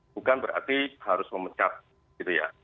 bukan berarti harus memecat gitu ya